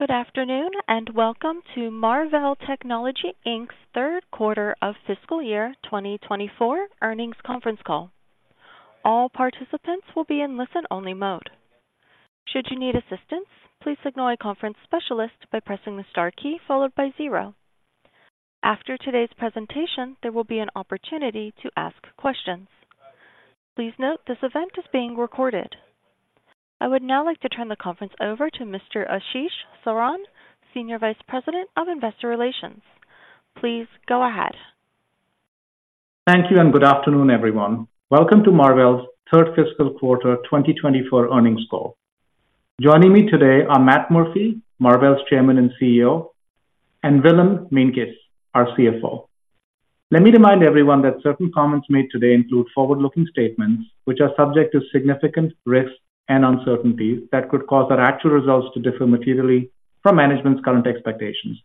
Good afternoon, and welcome to Marvell Technology Inc.'s Q3 of fiscal year 2024 earnings conference call. All participants will be in listen-only mode. Should you need assistance, please signal a conference specialist by pressing the star key followed by zero. After today's presentation, there will be an opportunity to ask questions. Please note this event is being recorded. I would now like to turn the conference over to Mr. Ashish Saran, Senior Vice President of Investor Relations. Please go ahead. Thank you, and good afternoon, everyone. Welcome to Marvell's third fiscal quarter 2024 earnings call. Joining me today are Matt Murphy, Marvell's Chairman and CEO, and Willem Meintjes, our CFO. Let me remind everyone that certain comments made today include forward-looking statements, which are subject to significant risks and uncertainties that could cause our actual results to differ materially from management's current expectations.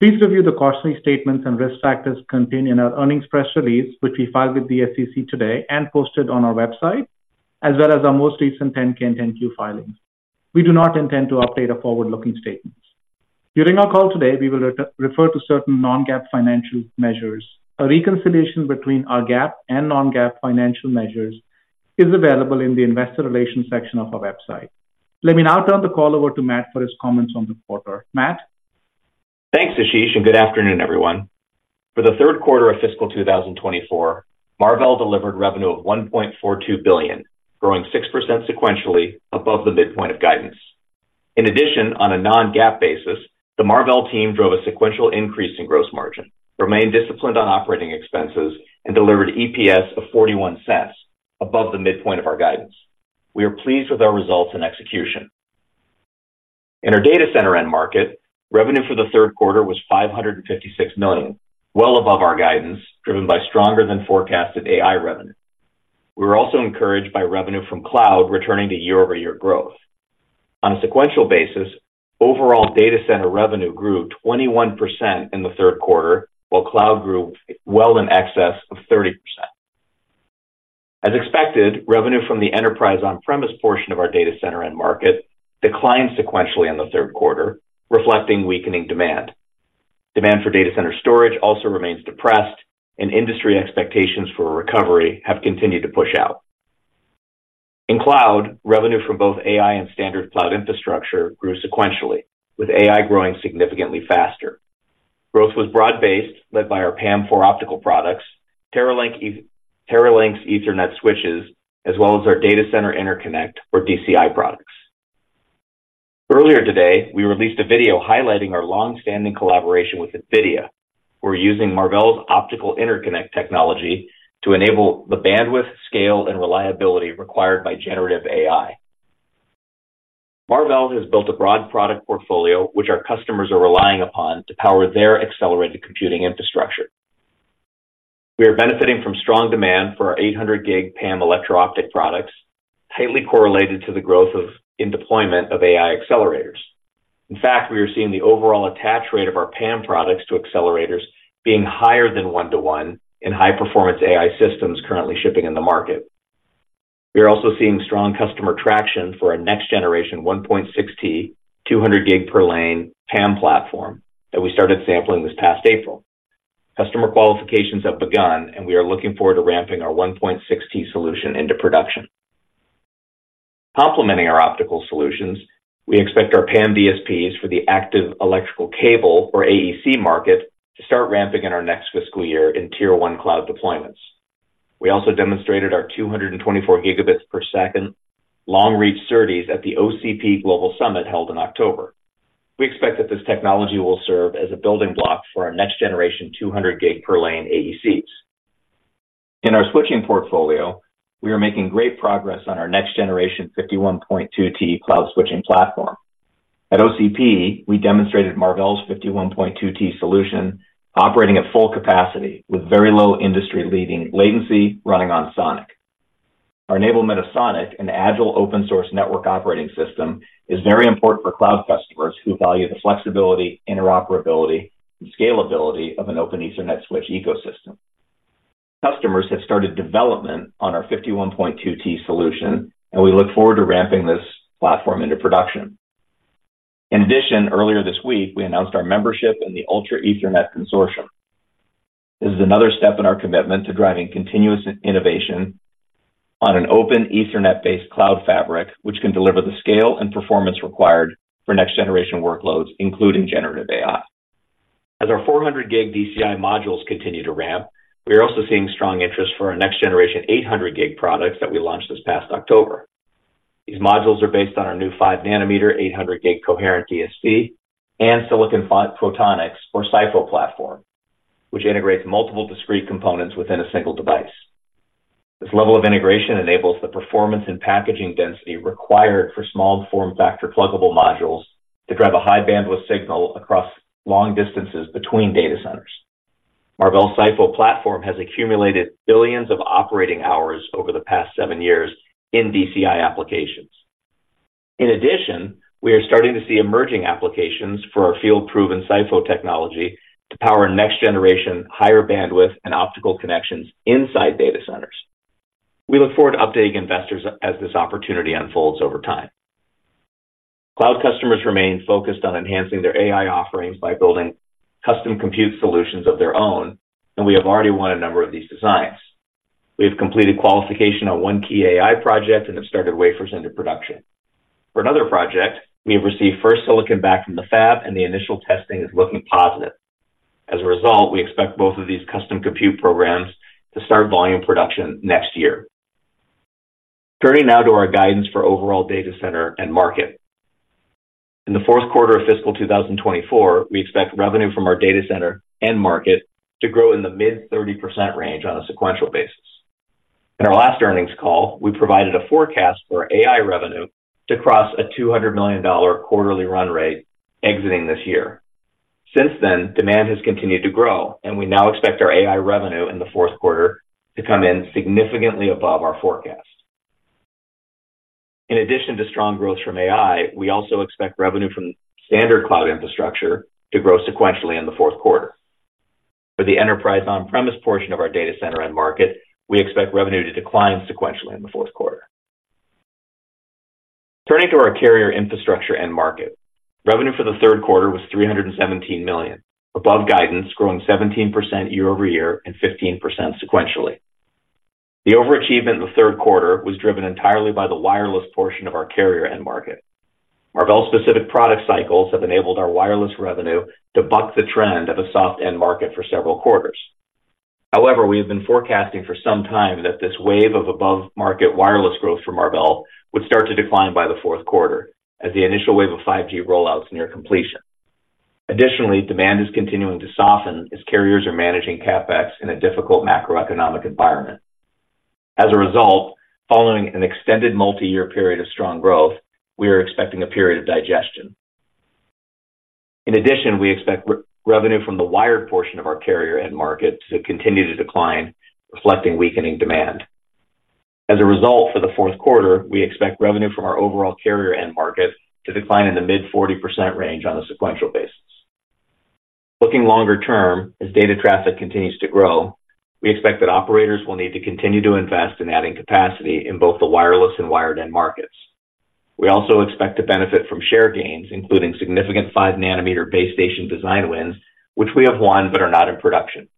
Please review the cautionary statements and risk factors contained in our earnings press release, which we filed with the SEC today and posted on our website, as well as our most recent 10-K and 10-Q filings. We do not intend to update our forward-looking statements. During our call today, we will refer to certain non-GAAP financial measures. A reconciliation between our GAAP and non-GAAP financial measures is available in the investor relations section of our website. Let me now turn the call over to Matt for his comments on the quarter. Matt? Thanks, Ashish, and good afternoon, everyone. For Q3 of fiscal 2024, Marvell delivered revenue of $1.42 billion, growing 6% sequentially above the midpoint of guidance. In addition, on a non-GAAP basis, the Marvell team drove a sequential increase in gross margin, remained disciplined on operating expenses, and delivered EPS of $0.41 above the midpoint of our guidance. We are pleased with our results and execution. In our data center end market, revenue for Q3 was $556 million, well above our guidance, driven by stronger than forecasted AI revenue. We were also encouraged by revenue from cloud returning to year-over-year growth. On a sequential basis, overall data center revenue grew 21% in Q3, while cloud grew well in excess of 30%. As expected, revenue from the enterprise on-premise portion of our data center end market declined sequentially in Q3, reflecting weakening demand. Demand for data center storage also remains depressed, and industry expectations for a recovery have continued to push out. In cloud, revenue from both AI and standard cloud infrastructure grew sequentially, with AI growing significantly faster. Growth was broad-based, led by our PAM4 optical products, Teralynx Ethernet switches, as well as our data center interconnect or DCI products. Earlier today, we released a video highlighting our long-standing collaboration with NVIDIA. We're using Marvell's optical interconnect technology to enable the bandwidth, scale, and reliability required by generative AI. Marvell has built a broad product portfolio, which our customers are relying upon to power their accelerated computing infrastructure. We are benefiting from strong demand for our 800 gig PAM electro-optic products, tightly correlated to the growth of in deployment of AI accelerators. In fact, we are seeing the overall attach rate of our PAM products to accelerators being higher than 1-to-1 in high-performance AI systems currently shipping in the market. We are also seeing strong customer traction for our next generation 1.6 T, 200 gig per lane PAM platform that we started sampling this past April. Customer qualifications have begun, and we are looking forward to ramping our 1.6 T solution into production. Complementing our optical solutions, we expect our PAM DSPs for the active electrical cable, or AEC market, to start ramping in our next fiscal year in Tier One cloud deployments. We also demonstrated our 224 gigabits per second long-reach SerDes at the OCP Global Summit held in October. We expect that this technology will serve as a building block for our next generation 200 gig per lane AECs. In our switching portfolio, we are making great progress on our next generation 51.2 T cloud switching platform. At OCP, we demonstrated Marvell's 51.2 T solution operating at full capacity with very low industry-leading latency running on SONiC. Our enablement of SONiC, an agile open-source network operating system, is very important for cloud customers who value the flexibility, interoperability, and scalability of an open Ethernet switch ecosystem. Customers have started development on our 51.2 T solution, and we look forward to ramping this platform into production. In addition, earlier this week, we announced our membership in the Ultra Ethernet Consortium. This is another step in our commitment to driving continuous innovation on an open Ethernet-based cloud fabric, which can deliver the scale and performance required for next-generation workloads, including generative AI. As our 400 gig DCI modules continue to ramp, we are also seeing strong interest for our next-generation 800 gig products that we launched this past October. These modules are based on our new 5-nanometer, 800 gig coherent DSP and silicon photonics or SiPho platform, which integrates multiple discrete components within a single device. This level of integration enables the performance and packaging density required for small form factor pluggable modules to drive a high-bandwidth signal across long distances between data centers. Marvell SiPho platform has accumulated billions of operating hours over the past 7 years in DCI applications. In addition, we are starting to see emerging applications for our field-proven SiPho technology to power next-generation, higher bandwidth, and optical connections inside data centers. We look forward to updating investors as this opportunity unfolds over time. Cloud customers remain focused on enhancing their AI offerings by building custom compute solutions of their own, and we have already won a number of these designs. We have completed qualification on one key AI project and have started wafers into production. For another project, we have received first silicon back from the fab, and the initial testing is looking positive. As a result, we expect both of these custom compute programs to start volume production next year. Turning now to our guidance for overall data center end market. In Q4 of fiscal 2024, we expect revenue from our data center end market to grow in the mid-30% range on a sequential basis. In our last earnings call, we provided a forecast for AI revenue to cross a $200 million quarterly run rate exiting this year. Since then, demand has continued to grow, and we now expect our AI revenue in Q4 to come in significantly above our forecast. In addition to strong growth from AI, we also expect revenue from standard cloud infrastructure to grow sequentially in Q4. For the enterprise on-premise portion of our data center end market, we expect revenue to decline sequentially in Q4. Turning to our carrier infrastructure end market. Revenue for Q3 was $317 million, above guidance, growing 17% year-over-year and 15% sequentially. The overachievement in Q3 was driven entirely by the wireless portion of our carrier end market. Marvell-specific product cycles have enabled our wireless revenue to buck the trend of a soft end market for several quarters. However, we have been forecasting for some time that this wave of above-market wireless growth from Marvell would start to decline by Q4, as the initial wave of 5G rollouts near completion. Additionally, demand is continuing to soften as carriers are managing CapEx in a difficult macroeconomic environment. As a result, following an extended multi-year period of strong growth, we are expecting a period of digestion. In addition, we expect revenue from the wired portion of our carrier end market to continue to decline, reflecting weakening demand. As a result, for Q4, we expect revenue from our overall carrier end market to decline in the mid-40% range on a sequential basis. Looking longer term, as data traffic continues to grow, we expect that operators will need to continue to invest in adding capacity in both the wireless and wired end markets. We also expect to benefit from share gains, including significant 5-nanometer base station design wins, which we have won but are not in production.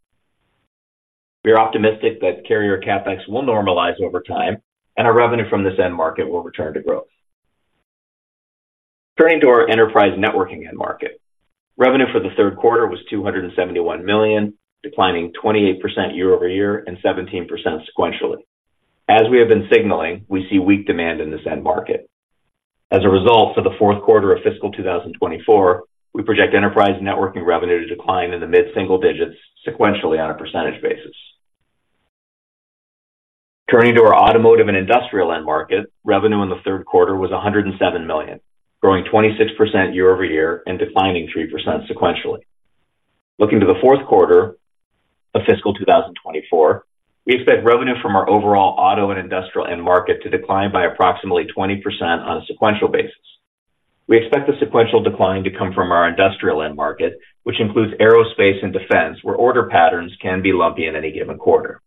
We are optimistic that carrier CapEx will normalize over time and our revenue from this end market will return to growth. Turning to our enterprise networking end market. Revenue for Q3 was $271 million, declining 28% year over year and 17% sequentially. As we have been signaling, we see weak demand in this end market. As a result, for Q4 of fiscal 2024, we project enterprise networking revenue to decline in the mid-single digits sequentially on a percentage basis. Turning to our automotive and industrial end market, revenue in Q3 was $107 million, growing 26% year over year and declining 3% sequentially. Looking to Q4 of fiscal 2024, we expect revenue from our overall auto and industrial end market to decline by approximately 20% on a sequential basis. We expect the sequential decline to come from our industrial end market, which includes aerospace and defense, where order patterns can be lumpy in any given quarter.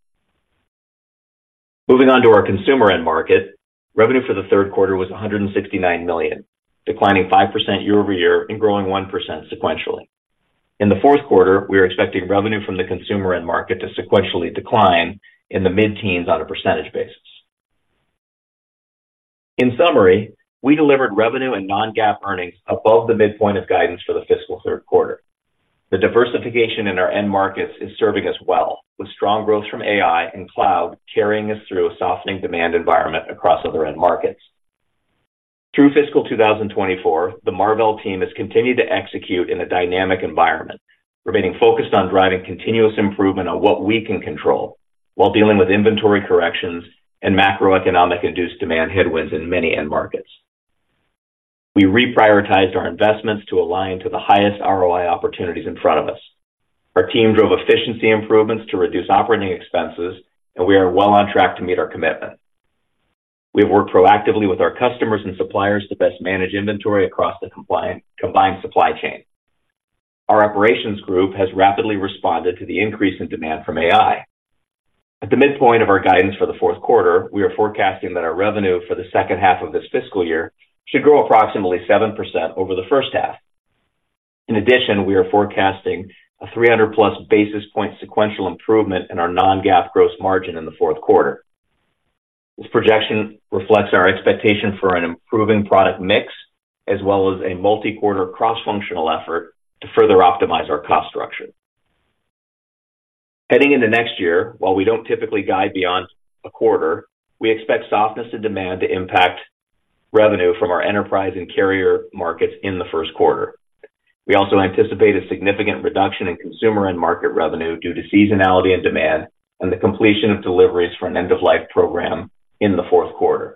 Moving on to our consumer end market, revenue for Q3 was $169 million, declining 5% year-over-year and growing 1% sequentially. In Q4, we are expecting revenue from the consumer end market to sequentially decline in the mid-teens%. In summary, we delivered revenue and non-GAAP earnings above the midpoint of guidance for the fiscal Q3. The diversification in our end markets is serving us well, with strong growth from AI and cloud carrying us through a softening demand environment across other end markets. Through fiscal 2024, the Marvell team has continued to execute in a dynamic environment, remaining focused on driving continuous improvement on what we can control while dealing with inventory corrections and macroeconomic-induced demand headwinds in many end markets. We reprioritized our investments to align to the highest ROI opportunities in front of us. Our team drove efficiency improvements to reduce operating expenses, and we are well on track to meet our commitment. We have worked proactively with our customers and suppliers to best manage inventory across the combined supply chain. Our operations group has rapidly responded to the increase in demand from AI. At the midpoint of our guidance for Q4, we are forecasting that our revenue for the second half of this fiscal year should grow approximately 7% over the first half. In addition, we are forecasting a 300+ basis point sequential improvement in our non-GAAP gross margin in Q4. This projection reflects our expectation for an improving product mix, as well as a multi-quarter cross-functional effort to further optimize our cost structure. Heading into next year, while we don't typically guide beyond a quarter, we expect softness in demand to impact revenue from our enterprise and carrier markets in the first quarter. We also anticipate a significant reduction in consumer end market revenue due to seasonality and demand and the completion of deliveries for an end-of-life program in Q4.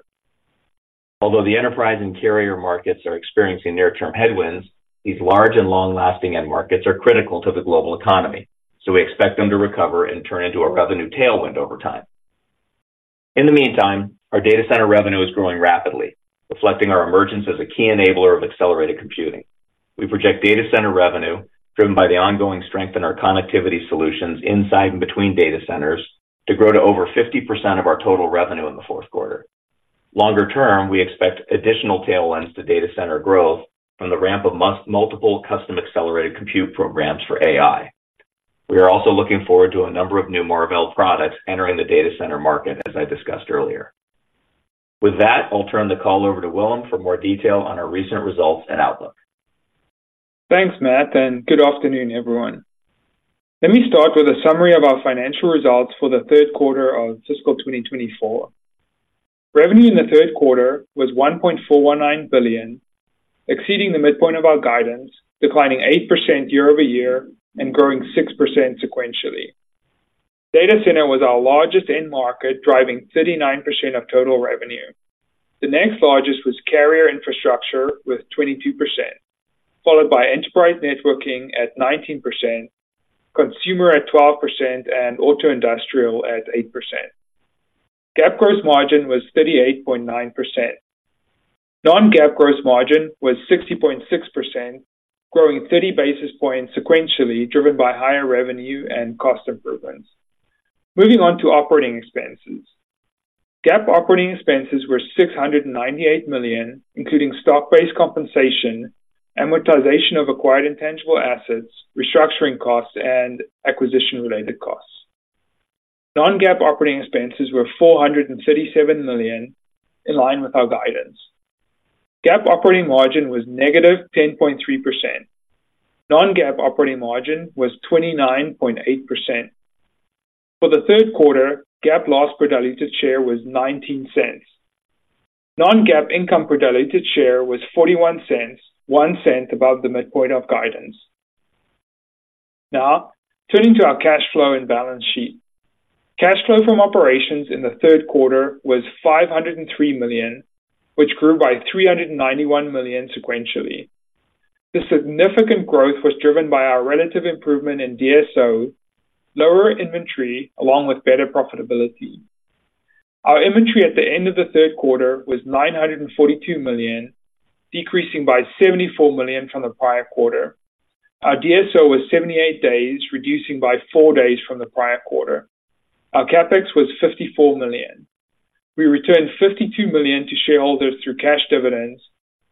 Although the enterprise and carrier markets are experiencing near-term headwinds, these large and long-lasting end markets are critical to the global economy, so we expect them to recover and turn into a revenue tailwind over time. In the meantime, our data center revenue is growing rapidly, reflecting our emergence as a key enabler of accelerated computing. We project data center revenue, driven by the ongoing strength in our connectivity solutions inside and between data centers, to grow to over 50% of our total revenue in Q4. Longer term, we expect additional tailwinds to data center growth from the ramp of multiple custom accelerated compute programs for AI. We are also looking forward to a number of new Marvell products entering the data center market, as I discussed earlier. With that, I'll turn the call over to Willem for more detail on our recent results and outlook. Thanks, Matt, and good afternoon, everyone. Let me start with a summary of our financial results for Q3 of fiscal 2024. Revenue in Q3 was $1.419 billion, exceeding the midpoint of our guidance, declining 8% year over year and growing 6% sequentially. Data center was our largest end market, driving 39% of total revenue. The next largest was carrier infrastructure with 22%, followed by enterprise networking at 19%, consumer at 12%, and auto industrial at 8%. GAAP gross margin was 38.9%. Non-GAAP gross margin was 60.6%, growing 30 basis points sequentially, driven by higher revenue and cost improvements. Moving on to operating expenses. GAAP operating expenses were $698 million, including stock-based compensation, amortization of acquired intangible assets, restructuring costs, and acquisition-related costs. Non-GAAP operating expenses were $437 million, in line with our guidance. GAAP operating margin was -10.3%. Non-GAAP operating margin was 29.8%. For Q3, GAAP loss per diluted share was $0.19. Non-GAAP income per diluted share was $0.41, $0.01 above the midpoint of guidance. Now, turning to our cash flow and balance sheet. Cash flow from operations in Q3 was $503 million, which grew by $391 million sequentially. The significant growth was driven by our relative improvement in DSO, lower inventory, along with better profitability. Our inventory at the end of Q3 was $942 million, decreasing by $74 million from the prior quarter. Our DSO was 78 days, reducing by 4 days from the prior quarter. Our CapEx was $54 million. We returned $52 million to shareholders through cash dividends,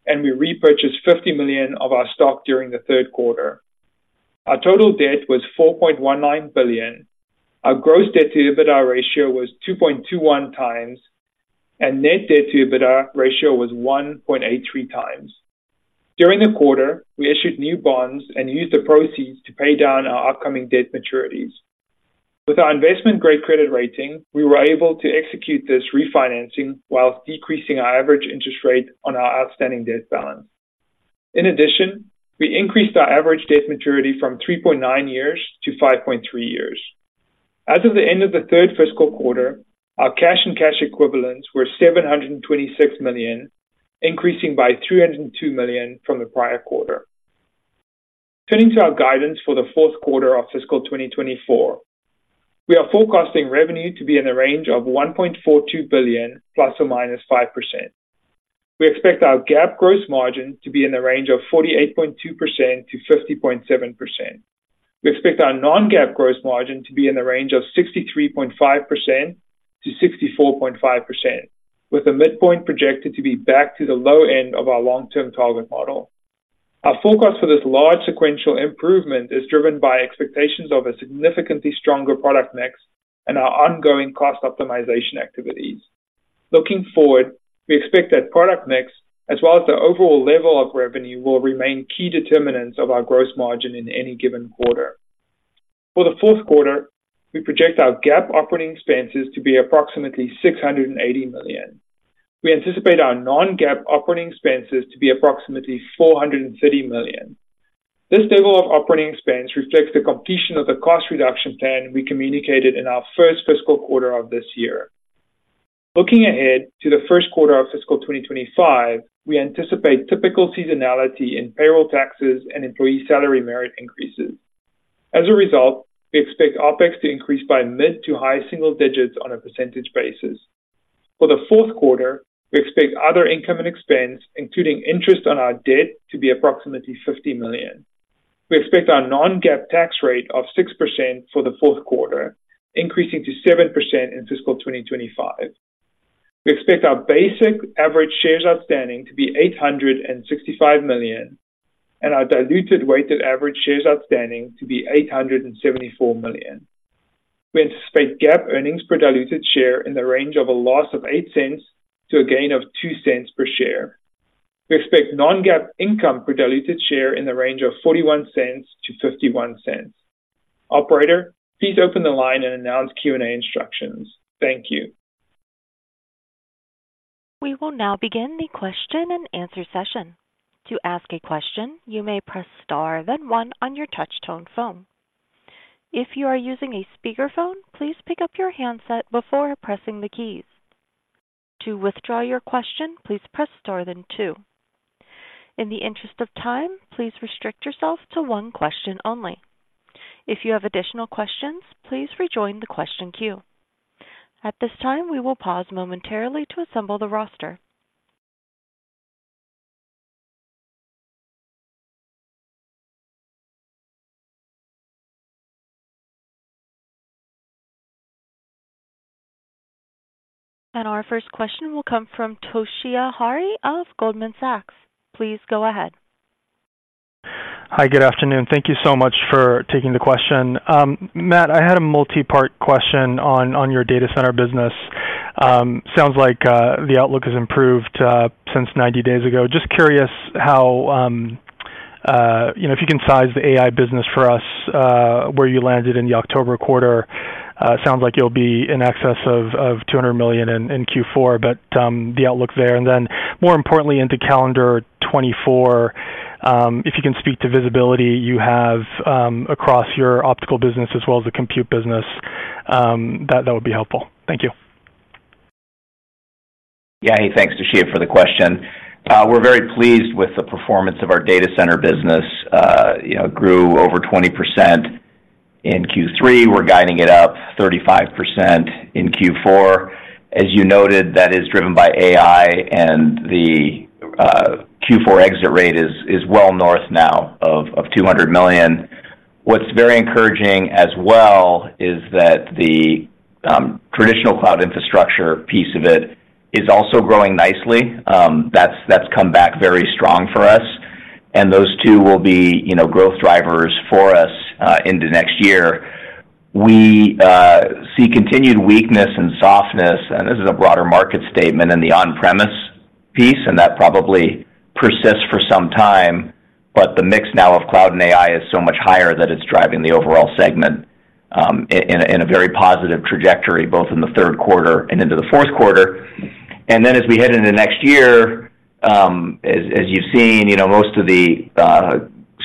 and we repurchased $50 million of our stock during Q3. Our total debt was $4.19 billion. Our gross debt-to-EBITDA ratio was 2.21 times, and net debt-to-EBITDA ratio was 1.83 times. During the quarter, we issued new bonds and used the proceeds to pay down our upcoming debt maturities. With our investment-grade credit rating, we were able to execute this refinancing while decreasing our average interest rate on our outstanding debt balance. In addition, we increased our average debt maturity from 3.9 years to 5.3 years. As of the end of the third fiscal quarter, our cash and cash equivalents were $726 million, increasing by $302 million from the prior quarter. Turning to our guidance for Q4 of fiscal 2024. We are forecasting revenue to be in the range of $1.42 billion ±5%. We expect our GAAP gross margin to be in the range of 48.2%-50.7%. We expect our non-GAAP gross margin to be in the range of 63.5%-64.5%, with the midpoint projected to be back to the low end of our long-term target model. Our forecast for this large sequential improvement is driven by expectations of a significantly stronger product mix and our ongoing cost optimization activities. Looking forward, we expect that product mix, as well as the overall level of revenue, will remain key determinants of our gross margin in any given quarter. For Q4, we project our GAAP operating expenses to be approximately $680 million. We anticipate our non-GAAP operating expenses to be approximately $430 million. This level of operating expense reflects the completion of the cost reduction plan we communicated in our first fiscal quarter of this year. Looking ahead to the first quarter of fiscal 2025, we anticipate typical seasonality in payroll taxes and employee salary merit increases. As a result, we expect OpEx to increase by mid- to high-single digits on a percentage basis. For Q4, we expect other income and expense, including interest on our debt, to be approximately $50 million. We expect our non-GAAP tax rate of 6% for Q4, increasing to 7% in fiscal 2025. We expect our basic average shares outstanding to be 865 million and our diluted weighted average shares outstanding to be 874 million. We anticipate GAAP earnings per diluted share in the range of -$0.08 to $0.02 per share. We expect non-GAAP income per diluted share in the range of $0.41-$0.51. Operator, please open the line and announce Q&A instructions. Thank you. We will now begin the question and answer session. To ask a question, you may press star, then one on your touch tone phone. If you are using a speakerphone, please pick up your handset before pressing the keys. To withdraw your question, please press star then two. In the interest of time, please restrict yourself to one question only. If you have additional questions, please rejoin the question queue. At this time, we will pause momentarily to assemble the roster. Our first question will come from Toshiya Hari of Goldman Sachs. Please go ahead. Hi, good afternoon. Thank you so much for taking the question. Matt, I had a multi-part question on your data center business. Sounds like the outlook has improved since 90 days ago. Just curious how, you know, if you can size the AI business for us, where you landed in the October quarter. Sounds like you'll be in excess of $200 million in Q4, but the outlook there. And then, more importantly, into calendar 2024, if you can speak to visibility you have across your optical business as well as the compute business, that would be helpful. Thank you. Yeah. Thanks, Toshiya, for the question. We're very pleased with the performance of our data center business. It grew over 20% in Q3. We're guiding it up 35% in Q4. As you noted, that is driven by AI, and Q4 exit rate is well north now of $200 million. What's very encouraging as well is that the traditional cloud infrastructure piece of it is also growing nicely. That's come back very strong for us, and those two will be, you know, growth drivers for us into next year. We see continued weakness and softness, and this is a broader market statement in the on-premise piece, and that probably persists for some time, but the mix now of cloud and AI is so much higher that it's driving the overall segment in a very positive trajectory, both in Q3 and into Q4. And then as we head into next year, as you've seen, you know, most of the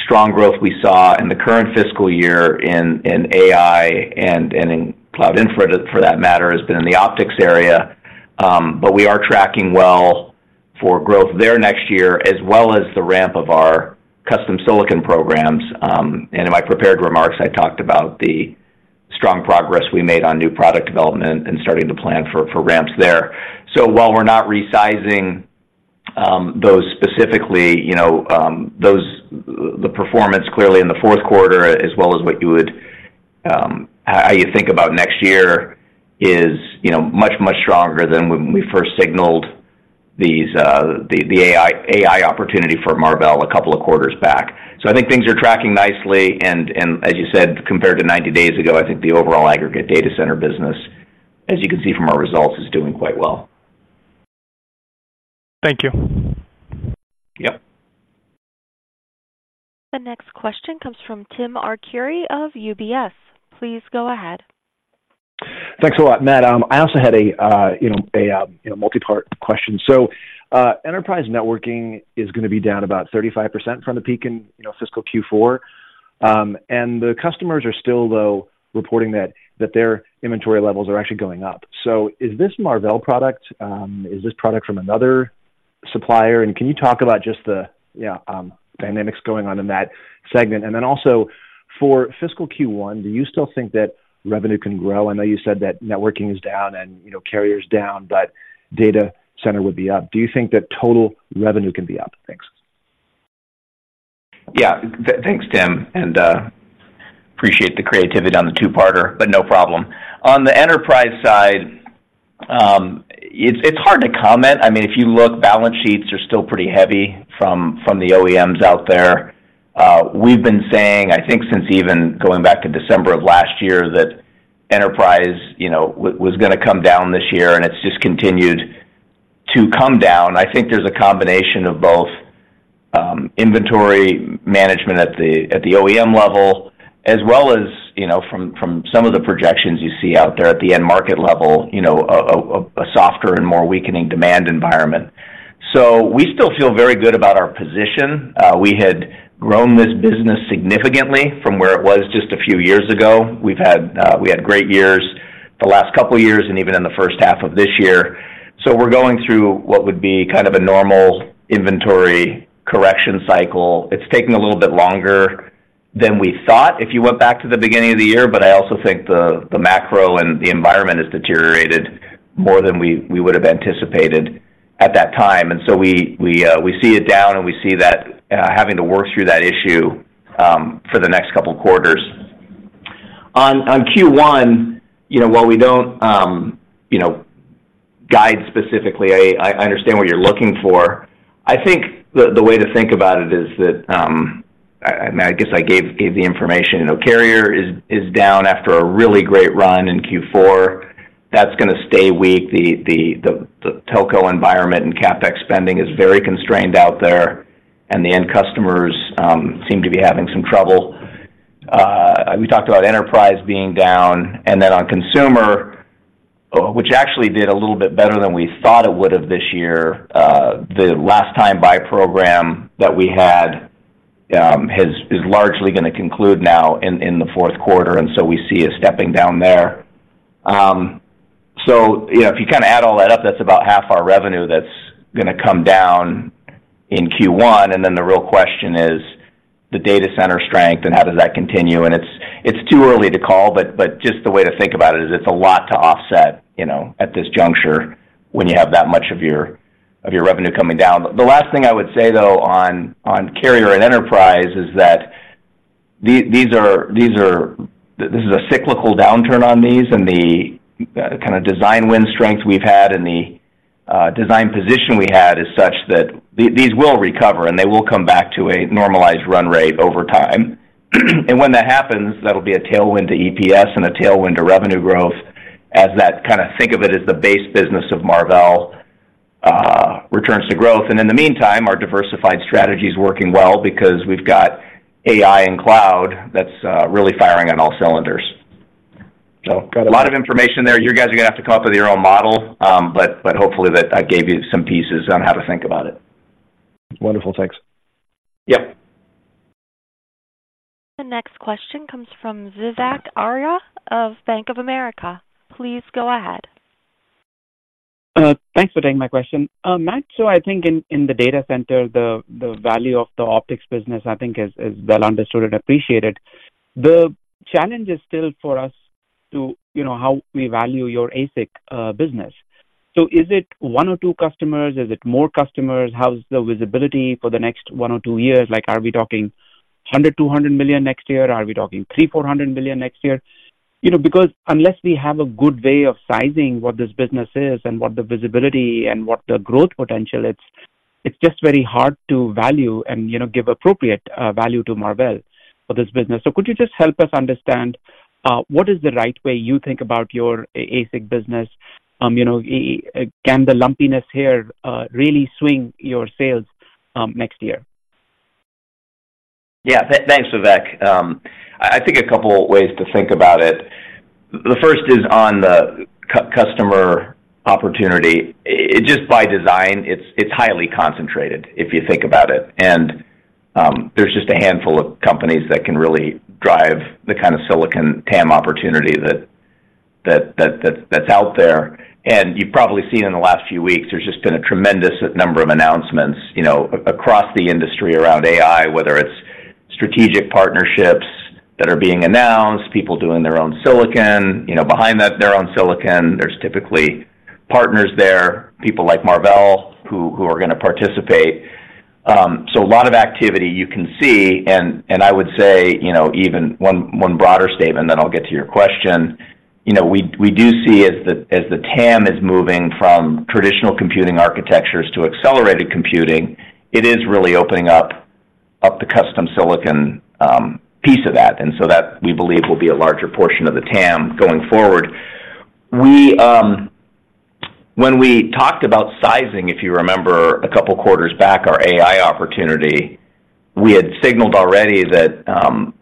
strong growth we saw in the current fiscal year in AI and in cloud infra, for that matter, has been in the optics area. But we are tracking well for growth there next year, as well as the ramp of our custom silicon programs. In my prepared remarks, I talked about the strong progress we made on new product development and starting to plan for ramps there. So while we're not resizing those specifically, you know, those, the performance clearly in Q4, as well as what you would, how you think about next year is, you know, much, much stronger than when we first signaled these, the AI, AI opportunity for Marvell a couple of quarters back. So I think things are tracking nicely, and as you said, compared to 90 days ago, I think the overall aggregate data center business, as you can see from our results, is doing quite well. Thank you. Yep. The next question comes from Tim Arcuri of UBS. Please go ahead. Thanks a lot. Matt, I also had, you know, a multi-part question. So, enterprise networking is going to be down about 35% from the peak in, you know, fiscal Q4. And the customers are still, though, reporting that their inventory levels are actually going up. So is this Marvell product, is this product from another supplier? And can you talk about just the, you know, dynamics going on in that segment? And then also, for fiscal Q1, do you still think that revenue can grow? I know you said that networking is down and, you know, carrier is down, but data center would be up. Do you think that total revenue can be up? Thanks. Yeah. Thanks, Tim, and appreciate the creativity on the two-parter, but no problem. On the enterprise side, it's hard to comment. I mean, if you look, balance sheets are still pretty heavy from the OEMs out there. We've been saying, I think, since even going back to December of last year, that enterprise, you know, was going to come down this year, and it's just continued to come down. I think there's a combination of both, inventory management at the OEM level, as well as, you know, from some of the projections you see out there at the end market level, you know, a softer and more weakening demand environment. So we still feel very good about our position. We had grown this business significantly from where it was just a few years ago. We've had, we had great years the last couple of years and even in the first half of this year. So we're going through what would be kind of a normal inventory correction cycle. It's taking a little bit longer than we thought if you went back to the beginning of the year, but I also think the macro and the environment has deteriorated more than we would have anticipated at that time. And so we see it down and we see that having to work through that issue for the next couple of quarters. On Q1, you know, while we don't, you know, guide specifically, I understand what you're looking for. I think the way to think about it is that I guess I gave the information. You know, carrier is down after a really great run in Q4. That's going to stay weak. The telco environment and CapEx spending is very constrained out there, and the end customers seem to be having some trouble. We talked about enterprise being down, and then on consumer, which actually did a little bit better than we thought it would have this year. The last time buy program that we had is largely going to conclude now in Q4, and so we see it stepping down there. So you know, if you kind of add all that up, that's about half our revenue that's going to come down in Q1, and then the real question is the data center strength, and how does that continue? And it's too early to call, but just the way to think about it is it's a lot to offset, you know, at this juncture when you have that much of your revenue coming down. The last thing I would say, though, on carrier and enterprise is that these are a cyclical downturn on these, and the kind of design win strength we've had and the design position we had is such that these will recover, and they will come back to a normalized run rate over time. And when that happens, that'll be a tailwind to EPS and a tailwind to revenue growth as that kind of think of it as the base business of Marvell returns to growth. In the meantime, our diversified strategy is working well because we've got AI and cloud that's really firing on all cylinders. So a lot of information there. You guys are gonna have to come up with your own model, but hopefully that gave you some pieces on how to think about it. Wonderful. Thanks. Yep. The next question comes from Vivek Arya of Bank of America. Please go ahead. Thanks for taking my question. Matt, so I think in the data center, the value of the optics business, I think, is well understood and appreciated. The challenge is still for us to, you know, how we value your ASIC business. So is it one or two customers? Is it more customers? How's the visibility for the next one or two years? Like, are we talking $100-$200 million next year? Are we talking $300-$400 million next year? You know, because unless we have a good way of sizing what this business is and what the visibility and what the growth potential is, it's just very hard to value and, you know, give appropriate value to Marvell for this business. So could you just help us understand what is the right way you think about your ASIC business? You know, can the lumpiness here really swing your sales next year? Yeah. Thanks, Vivek. I think a couple of ways to think about it. The first is on the customer opportunity. It's just by design, it's highly concentrated, if you think about it. And there's just a handful of companies that can really drive the kind of silicon TAM opportunity that's out there. And you've probably seen in the last few weeks, there's just been a tremendous number of announcements, you know, across the industry around AI, whether it's strategic partnerships that are being announced, people doing their own silicon. You know, behind that, their own silicon, there's typically partners there, people like Marvell, who are gonna participate. So a lot of activity you can see, and I would say, you know, even one broader statement, then I'll get to your question. You know, we do see as the TAM is moving from traditional computing architectures to accelerated computing, it is really opening up the custom silicon piece of that, and so that, we believe, will be a larger portion of the TAM going forward. When we talked about sizing, if you remember, a couple of quarters back, our AI opportunity, we had signaled already that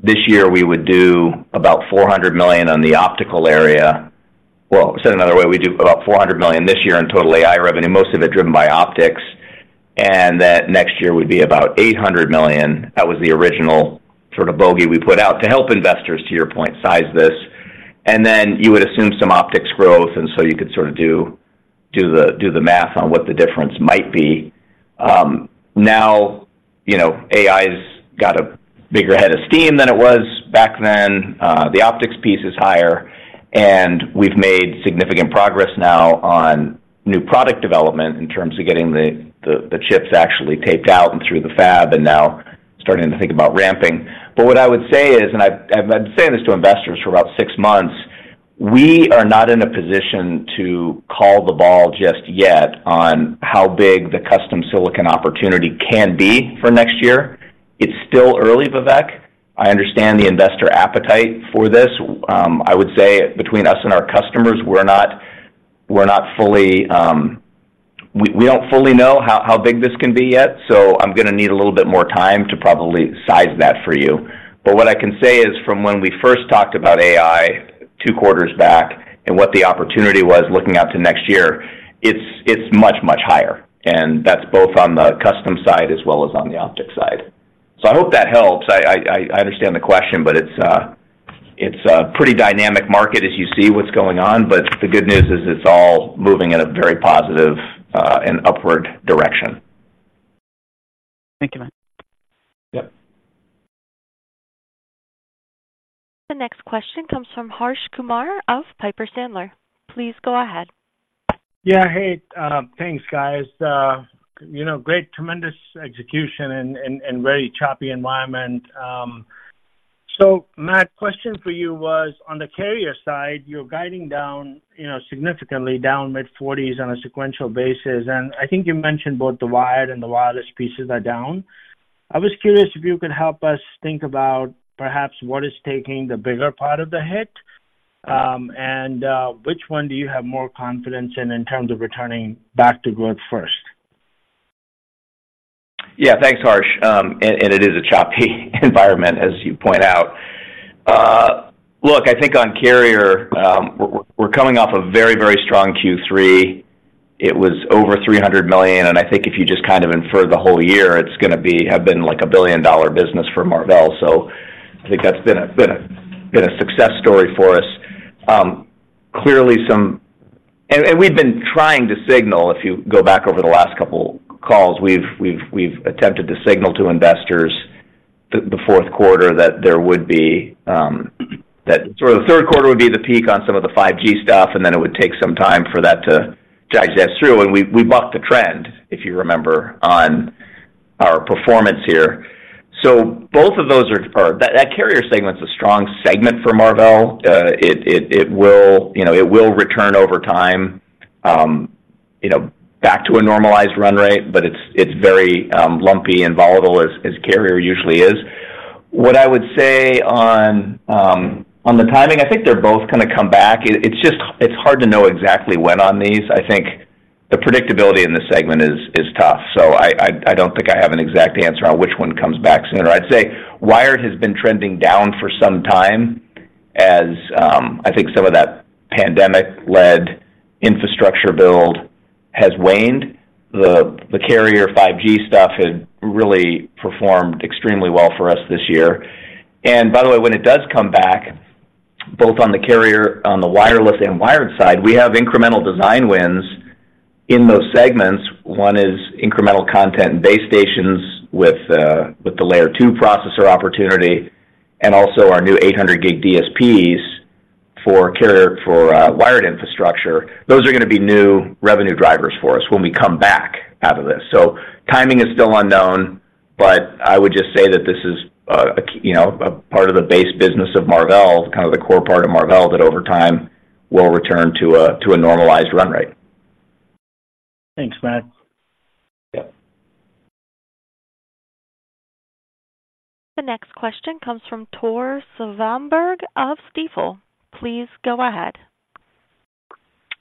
this year we would do about $400 million on the optical area. Well, said another way, we do about $400 million this year in total AI revenue, most of it driven by optics, and that next year would be about $800 million. That was the original sort of bogey we put out to help investors, to your point, size this. Then you would assume some optics growth, and so you could sort of do the math on what the difference might be. Now, AI's got a bigger head of steam than it was back then. The optics piece is higher, and we've made significant progress now on new product development in terms of getting the chips actually taped out and through the fab, and now starting to think about ramping. What I would say is, and I've been saying this to investors for about six months: We are not in a position to call the ball just yet on how big the custom silicon opportunity can be for next year. It's still early, Vivek. I understand the investor appetite for this. I would say between us and our customers, we're not fully, we don't fully know how big this can be yet, so I'm gonna need a little bit more time to probably size that for you. But what I can say is, from when we first talked about AI two quarters back and what the opportunity was looking out to next year, it's much, much higher, and that's both on the custom side as well as on the optics side. I hope that helps. I understand the question, but it's a pretty dynamic market as you see what's going on, but the good news is it's all moving in a very positive and upward direction. Thank you, Matt. Yep. The next question comes from Harsh Kumar of Piper Sandler. Please go ahead. Yeah, hey, thanks, guys. You know, great, tremendous execution and very choppy environment. Matt, question for you was, on the carrier side, you're guiding down, you know, significantly down mid-40s on a sequential basis, and I think you mentioned both the wired and the wireless pieces are down. I was curious if you could help us think about perhaps what is taking the bigger part of the hit, and which one do you have more confidence in, in terms of returning back to growth first? Yeah, thanks, Harsh. And it is a choppy environment, as you point out. Look, I think on carrier, we're coming off a very, very strong Q3. It was over $300 million, and I think if you just kind of infer the whole year, it's gonna be, have been like a billion-dollar business for Marvell. So I think that's been a success story for us. Clearly. And we've been trying to signal, if you go back over the last couple calls, we've attempted to signal to investors Q4 that there would be, that sort of Q3 would be the peak on some of the 5G stuff, and then it would take some time for that to digest through. We bucked the trend, if you remember, on our performance here. So both of those are or that carrier segment's a strong segment for Marvell. It will, you know, return over time, you know, back to a normalized run rate, but it's very lumpy and volatile, as carrier usually is. What I would say on the timing, I think they're both gonna come back. It's just hard to know exactly when on these. I think the predictability in this segment is tough, so I don't think I have an exact answer on which one comes back sooner. I'd say wired has been trending down for some time, as I think some of that pandemic-led infrastructure build has waned. The carrier 5G stuff has really performed extremely well for us this year. And by the way, when it does come back, both on the carrier, on the wireless and wired side, we have incremental design wins in those segments. One is incremental content and base stations with the layer two processor opportunity, and also our new 800 gig DSPs for carrier, for wired infrastructure. Those are gonna be new revenue drivers for us when we come back out of this. So timing is still unknown, but I would just say that this is a key, you know, a part of the base business of Marvell, kind of the core part of Marvell, that over time will return to a normalized run rate. Thanks, Matt. Yep. The next question comes from Tore Svanberg of Stifel. Please go ahead.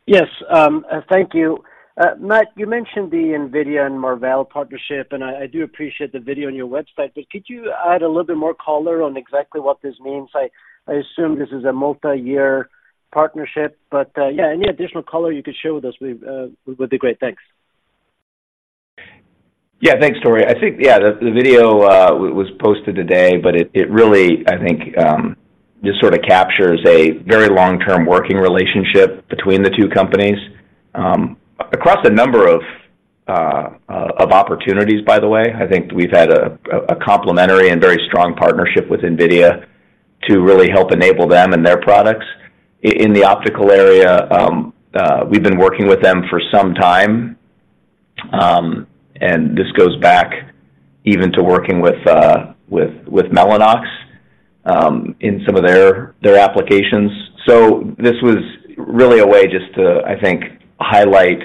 Yes, thank you. Matt, you mentioned the NVIDIA and Marvell partnership, and I do appreciate the video on your website, but could you add a little bit more color on exactly what this means? I assume this is a multiyear partnership, but yeah, any additional color you could share with us would be great. Thanks. Yeah, thanks, Tore. I think, yeah, the video was posted today, but it really, I think, just sort of captures a very long-term working relationship between the two companies across a number of opportunities, by the way. I think we've had a complementary and very strong partnership with NVIDIA to really help enable them and their products. In the optical area, we've been working with them for some time, and this goes back even to working with Mellanox in some of their applications. This was really a way just to, I think, highlight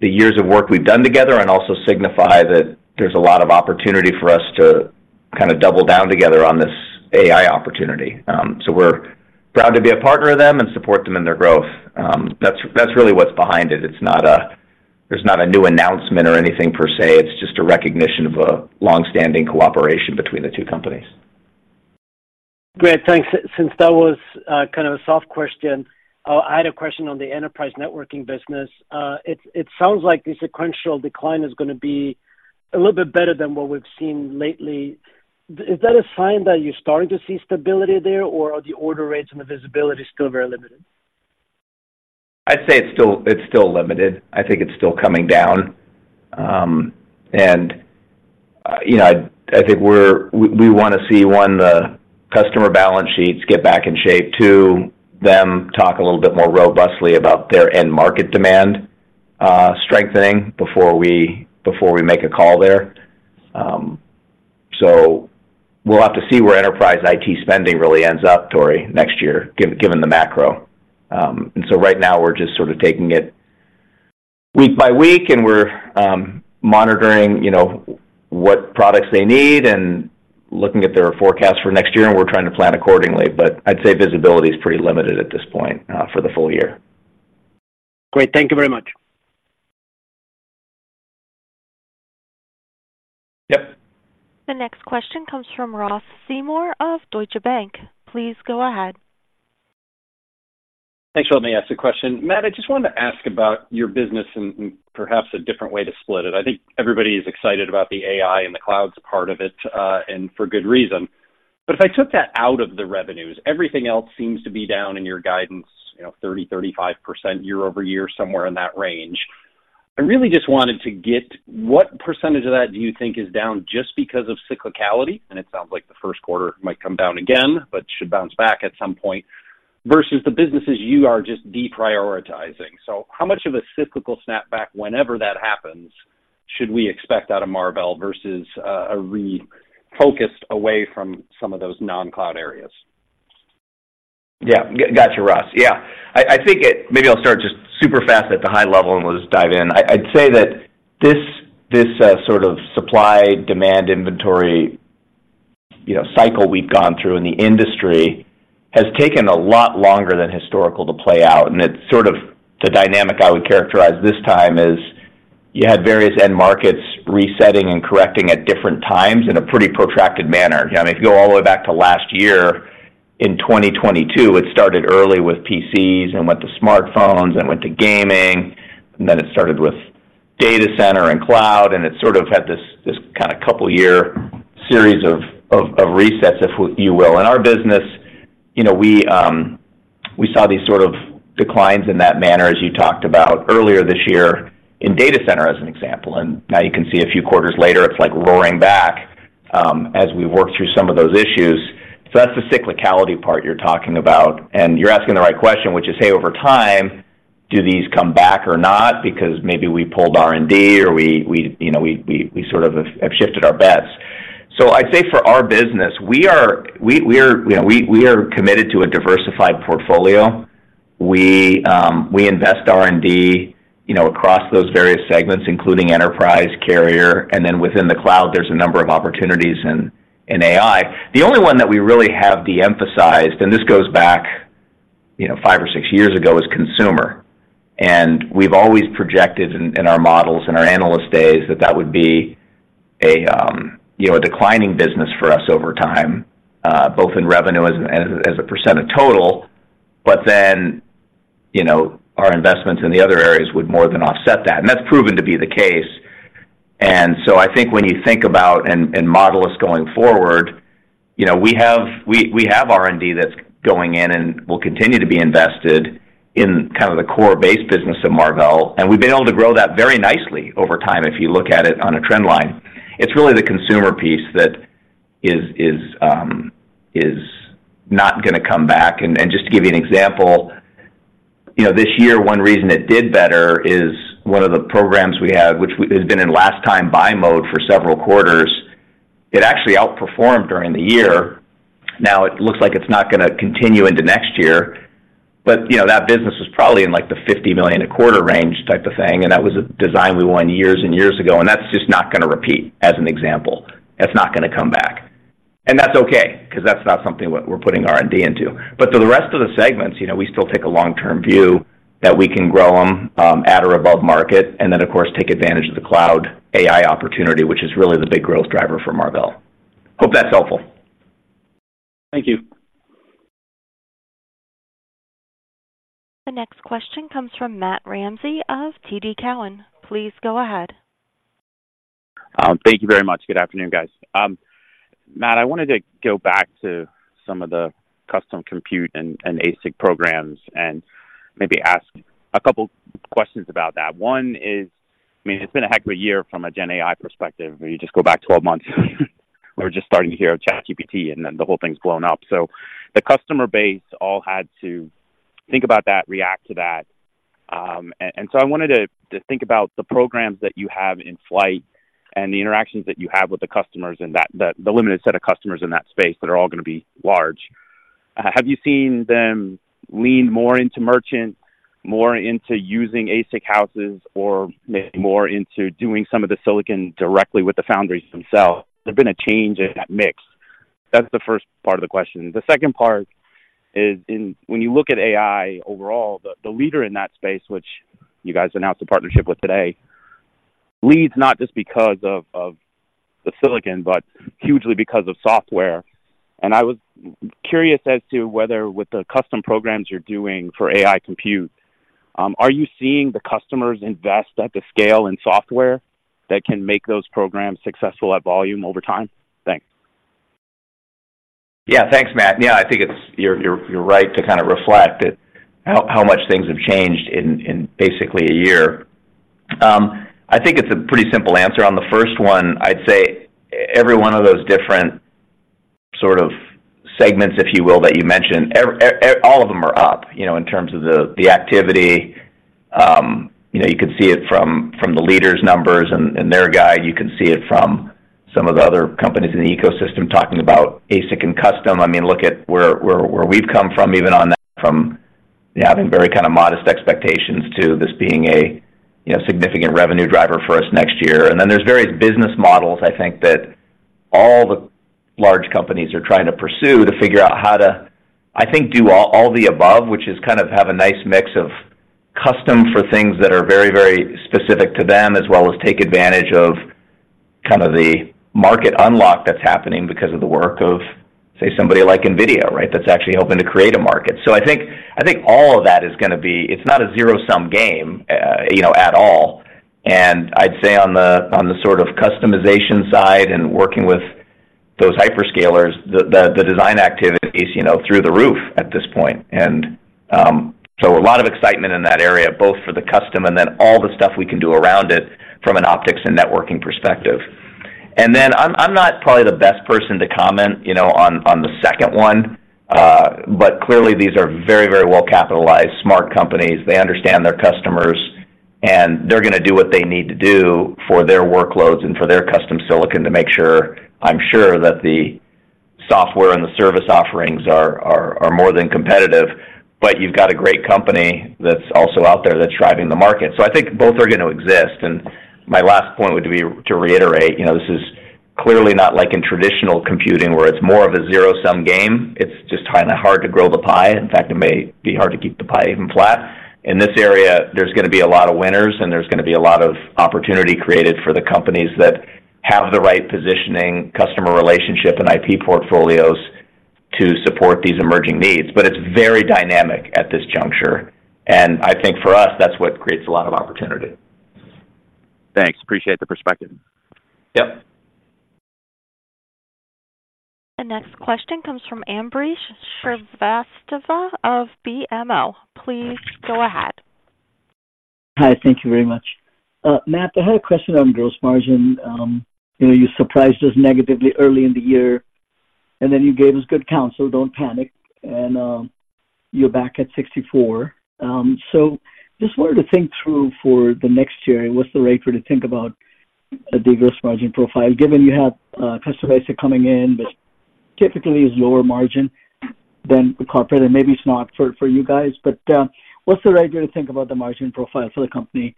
the years of work we've done together and also signify that there's a lot of opportunity for us to kinda double down together on this AI opportunity. We're proud to be a partner of them and support them in their growth. That's, that's really what's behind it. It's not a—there's not a new announcement or anything per se; it's just a recognition of a long-standing cooperation between the two companies. Great, thanks. Since that was kind of a soft question, I had a question on the enterprise networking business. It sounds like the sequential decline is gonna be a little bit better than what we've seen lately. Is that a sign that you're starting to see stability there, or are the order rates and the visibility still very limited? I'd say it's still, it's still limited. I think it's still coming down. I think we wanna see, one, the customer balance sheets get back in shape. Two, them talk a little bit more robustly about their end market demand strengthening before we, before we make a call there. So we'll have to see where enterprise IT spending really ends up, Tore, next year, given the macro. Right now we're just sort of taking it week by week, and we're monitoring, you know, what products they need and looking at their forecast for next year, and we're trying to plan accordingly. But I'd say visibility is pretty limited at this point, for the full year. Great. Thank you very much. Yep. The next question comes from Ross Seymour of Deutsche Bank. Please go ahead. Thanks for letting me ask the question. Matt, I just wanted to ask about your business and perhaps a different way to split it. I think everybody is excited about the AI and the clouds part of it, and for good reason. But if I took that out of the revenues, everything else seems to be down in your guidance, you know, 30%-35% year-over-year, somewhere in that range. I really just wanted to get what percentage of that do you think is down just because of cyclicality? And it sounds like the first quarter might come down again, but should bounce back at some point, versus the businesses you are just deprioritizing. How much of a cyclical snapback, whenever that happens, should we expect out of Marvell versus a refocused away from some of those non-cloud areas? Yeah. Got you, Ross. Yeah. I think it... Maybe I'll start just super fast at the high level, and we'll just dive in. I'd say that this, this sort of supply/demand inventory, you know, cycle we've gone through in the industry, has taken a lot longer than historical to play out, and it's sort of the dynamic I would characterize this time is: you had various end markets resetting and correcting at different times in a pretty protracted manner. If you go all the way back to last year, in 2022, it started early with PCs and went to smartphones and went to gaming, and then it started with data center and cloud, and it sort of had this, this kind of couple year series of resets, if you will. In our business, you know, we saw these sort of declines in that manner, as you talked about earlier this year in data center, as an example, and now you can see a few quarters later, it's like roaring back, as we work through some of those issues. That's the cyclicality part you're talking about, and you're asking the right question, which is, hey, over time, do these come back or not? Because maybe we pulled R&D or we, you know, we sort of have shifted our bets. So I'd say for our business, we are, you know, committed to a diversified portfolio. We invest R&D, you know, across those various segments, including enterprise, carrier, and then within the cloud, there's a number of opportunities in AI. The only one that we really have de-emphasized, and this goes back, you know, five or six years ago, is consumer. And we've always projected in our models, in our analyst days, that that would be a, you know, a declining business for us over time, both in revenue as, and as a percent of total. But then, you know, our investments in the other areas would more than offset that, and that's proven to be the case. I think when you think about and model us going forward, you know, we have R&D that's going in and will continue to be invested in kind of the core base business of Marvell, and we've been able to grow that very nicely over time if you look at it on a trend line. It's really the consumer piece that is not gonna come back. And just to give you an example, you know, this year, one reason it did better is one of the programs we had, which has been in last time buy mode for several quarters, it actually outperformed during the year. Now it looks like it's not gonna continue into next year, but, you know, that business was probably in, like, the $50 million a quarter range type of thing, and that was a design we won years and years ago, and that's just not gonna repeat, as an example. That's not gonna come back, and that's okay, 'cause that's not something what we're putting R&D into. But for the rest of the segments, you know, we still take a long-term view that we can grow them, at or above market, and then, of course, take advantage of the cloud AI opportunity, which is really the big growth driver for Marvell. Hope that's helpful. Thank you. The next question comes from Matt Ramsay of TD Cowen. Please go ahead. Thank you very much. Good afternoon, guys. Matt, I wanted to go back to some of the custom compute and ASIC programs and maybe ask a couple questions about that. One is, I mean, it's been a heck of a year from a Gen AI perspective, where you just go back 12 months, we're just starting to hear of ChatGPT, and then the whole thing's blown up. The customer base all had to think about that, react to that. I wanted to think about the programs that you have in flight and the interactions that you have with the customers, and the limited set of customers in that space that are all gonna be large. Have you seen them lean more into merchant, more into using ASIC houses or maybe more into doing some of the silicon directly with the foundries themselves? There's been a change in that mix. That's the first part of the question. The second part is when you look at AI overall, the, the leader in that space, which you guys announced a partnership with today, leads not just because of, of the silicon, but hugely because of software. And I was curious as to whether, with the custom programs you're doing for AI compute, are you seeing the customers invest at the scale in software that can make those programs successful at volume over time? Thanks. Yeah, thanks, Matt. Yeah, I think it's—you're right to kind of reflect on how much things have changed in basically a year. I think it's a pretty simple answer. On the first one, I'd say every one of those different sort of segments, if you will, that you mentioned, all of them are up, you know, in terms of the activity. You know, you could see it from the leaders' numbers and their guide. You can see it from some of the other companies in the ecosystem talking about ASIC and custom. I mean, look at where we've come from, even on that, from having very kind of modest expectations to this being a, you know, significant revenue driver for us next year. Then there's various business models, I think, that all the large companies are trying to pursue to figure out how to, I think, do all, all the above, which is kind of have a nice mix of custom for things that are very, very specific to them, as well as take advantage of kind of the market unlock that's happening because of the work of, say, somebody like NVIDIA, right? That's actually helping to create a market. I think, I think all of that is gonna be. It's not a zero-sum game, you know, at all. And I'd say on the sort of customization side and working with those hyperscalers, the design activity is, you know, through the roof at this point. A lot of excitement in that area, both for the custom and then all the stuff we can do around it from an optics and networking perspective. And then I'm not probably the best person to comment, you know, on the second one, but clearly these are very, very well-capitalized, smart companies. They understand their customers, and they're gonna do what they need to do for their workloads and for their custom silicon to make sure, I'm sure, that the software and the service offerings are more than competitive. But you've got a great company that's also out there that's driving the market. I think both are gonna exist. And my last point would be to reiterate, you know, this is clearly not like in traditional computing, where it's more of a zero-sum game. It's just kind of hard to grow the pie. In fact, it may be hard to keep the pie even flat. In this area, there's gonna be a lot of winners, and there's gonna be a lot of opportunity created for the companies that have the right positioning, customer relationship, and IP portfolios... to support these emerging needs, but it's very dynamic at this juncture, and I think for us, that's what creates a lot of opportunity. Thanks. Appreciate the perspective. Yep. The next question comes from Ambrish Srivastava of BMO. Please go ahead. Hi, thank you very much. Matt, I had a question on gross margin. You know, you surprised us negatively early in the year, and then you gave us good counsel, don't panic, and you're back at 64%. So just wanted to think through for the next year, what's the right way to think about the gross margin profile, given you have customer coming in, which typically is lower margin than the corporate, and maybe it's not for you guys. But what's the right way to think about the margin profile for the company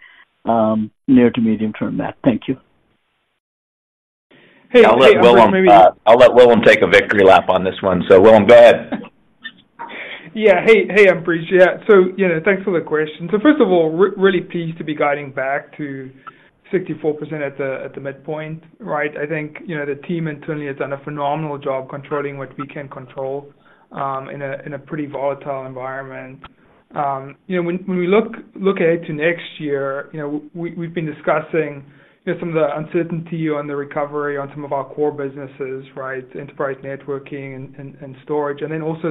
near to medium term, Matt? Thank you. Hey, I'll let Willem, I'll let Willem take a victory lap on this one. So, Willem, go ahead. Yeah. Hey, hey, Ambrish. Yeah, so, you know, thanks for the question. First of all, really pleased to be guiding back to 64% at the midpoint, right? I think, you know, the team internally has done a phenomenal job controlling what we can control in a pretty volatile environment. You know, when we look ahead to next year, you know, we, we've been discussing, you know, some of the uncertainty on the recovery on some of our core businesses, right? Enterprise networking and storage, and then also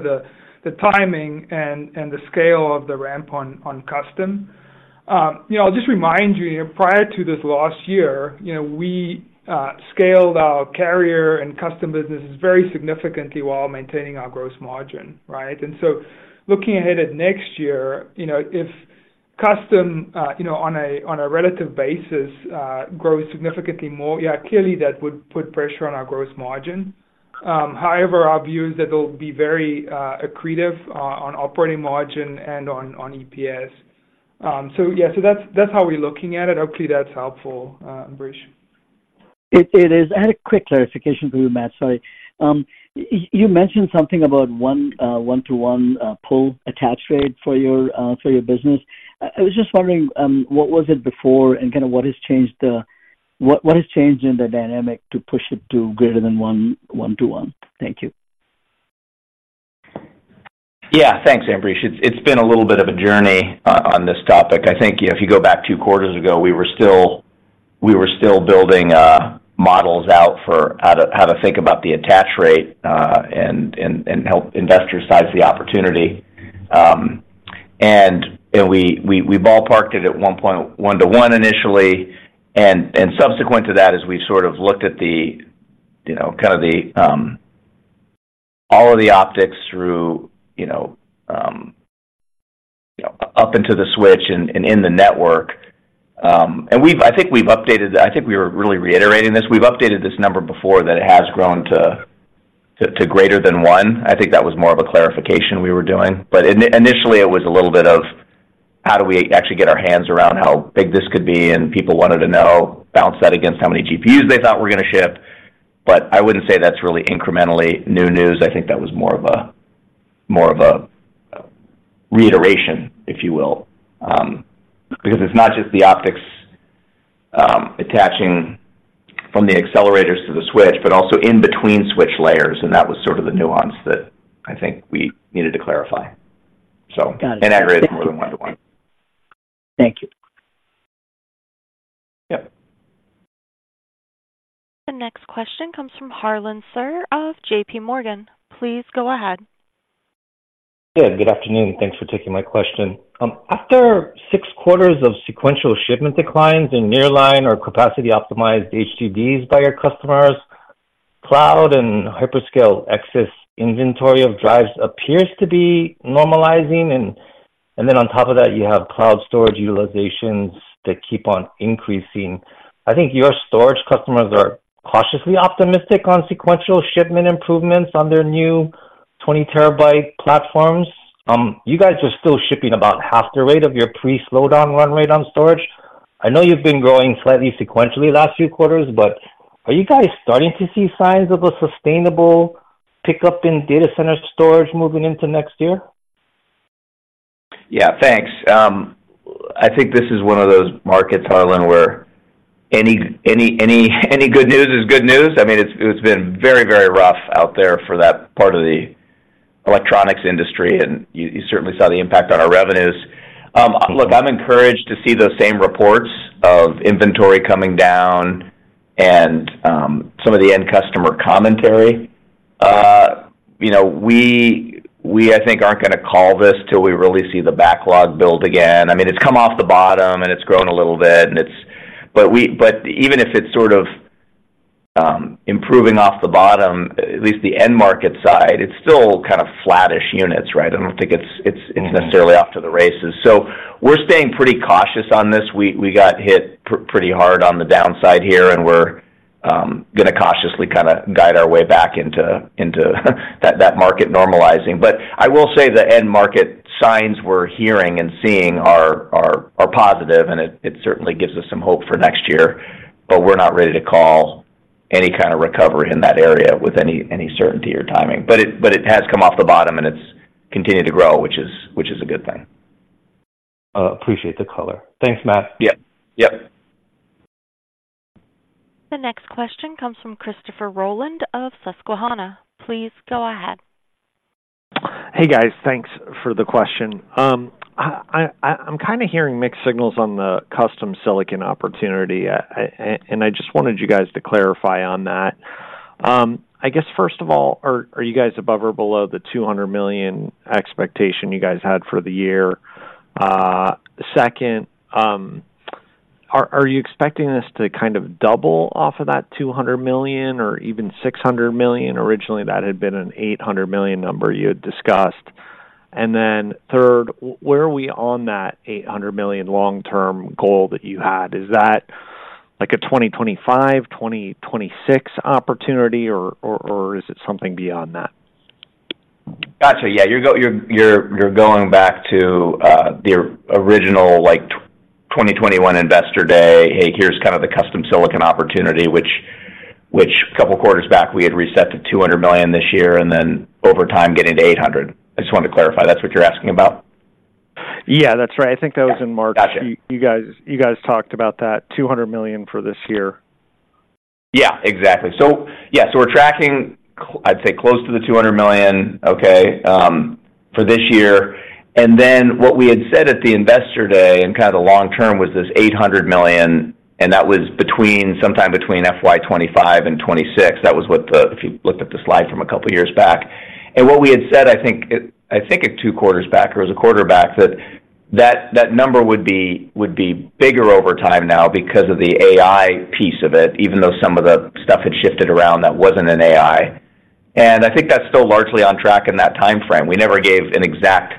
the timing and the scale of the ramp on custom. You know, I'll just remind you, prior to this last year, you know, we scaled our carrier and custom businesses very significantly while maintaining our gross margin, right? Looking ahead at next year, you know, if custom, you know, on a relative basis, grows significantly more, yeah, clearly that would put pressure on our gross margin. However, our view is that they'll be very accretive on operating margin and on EPS. So yeah, so that's how we're looking at it. Hopefully, that's helpful, Ambrish. It is. I had a quick clarification for you, Matt. Sorry. You mentioned something about 1-to-1 full attach rate for your business. I was just wondering, what was it before and kind of what has changed, what has changed in the dynamic to push it to greater than 1-to-1? Thank you. Yeah, thanks, Ambrish. It's been a little bit of a journey on this topic. I think, you know, if you go back 2 quarters ago, we were still building models out for how to think about the attach rate and help investors size the opportunity. And we ballparked it at one point, 1-to-1 initially, and subsequent to that, as we sort of looked at, you know, kind of all of the optics through, you know, up into the switch and in the network. And we've... I think we've updated, I think we were really reiterating this. We've updated this number before that it has grown to greater than 1. I think that was more of a clarification we were doing, but initially, it was a little bit of how do we actually get our hands around how big this could be? And people wanted to know, bounce that against how many GPUs they thought were going to ship. I wouldn't say that's really incrementally new news. I think that was more of a, more of a reiteration, if you will. Because it's not just the optics attaching from the accelerators to the switch, but also in between switch layers, and that was sort of the nuance that I think we needed to clarify. Got it. In aggregate, it's more than 1-to-1. Thank you. Yep. The next question comes from Harlan Sur of JP Morgan. Please go ahead. Yeah, good afternoon. Thanks for taking my question. After 6 quarters of sequential shipment declines in nearline or capacity-optimized HDDs by your customers, cloud and hyperscale excess inventory of drives appears to be normalizing, and then on top of that, you have cloud storage utilizations that keep on increasing. I think your storage customers are cautiously optimistic on sequential shipment improvements on their new 20-terabyte platforms. You guys are still shipping about half the rate of your pre-slowdown run rate on storage. I know you've been growing slightly sequentially last few quarters, but are you guys starting to see signs of a sustainable pickup in data center storage moving into next year? Yeah, thanks. I think this is one of those markets, Harlan, where any good news is good news. I mean, it's been very rough out there for that part of the electronics industry, and you certainly saw the impact on our revenues. Look, I'm encouraged to see those same reports of inventory coming down and some of the end customer commentary. You know, we I think aren't gonna call this till we really see the backlog build again. I mean, it's come off the bottom, and it's grown a little bit, but even if it's sort of improving off the bottom, at least the end market side, it's still kind of flattish units, right? I don't think it's necessarily off to the races. So we're staying pretty cautious on this. We got hit pretty hard on the downside here, and we're gonna cautiously kind of guide our way back into that market normalizing. But I will say the end market signs we're hearing and seeing are positive, and it certainly gives us some hope for next year, but we're not ready to call any kind of recovery in that area with any certainty or timing. But it has come off the bottom, and it's continued to grow, which is a good thing. Appreciate the color. Thanks, Matt. Yep. Yep. The next question comes from Christopher Rolland of Susquehanna. Please go ahead. Hey, guys. Thanks for the question. I'm kind of hearing mixed signals on the custom silicon opportunity, and I just wanted you guys to clarify on that. I guess, first of all, are you guys above or below the $200 million expectation you guys had for the year? Second, are you expecting this to kind of double off of that $200 million or even $600 million? Originally, that had been an $800 million number you had discussed. And then third, where are we on that $800 million long-term goal that you had? Is that like a 2025, 2026 opportunity, or is it something beyond that? Got you. Yeah, you're going back to the original, like, 2021 Investor Day. Hey, here's kind of the custom silicon opportunity, which couple quarters back, we had reset to $200 million this year, and then over time, getting to $800 million. I just wanted to clarify that's what you're asking about? Yeah, that's right. I think that was in March. Got you. You guys, you guys talked about that $200 million for this year. Yeah, exactly. So, yeah, so we're tracking close to the $200 million, okay, for this year. And then what we had said at the Investor Day and kind of the long term was this $800 million, and that was sometime between FY 2025 and 2026. That was what the... If you looked at the slide from a couple of years back. And what we had said, I think two quarters back or a quarter back, that number would be bigger over time now because of the AI piece of it, even though some of the stuff had shifted around that wasn't in AI. And I think that's still largely on track in that timeframe. We never gave an exact,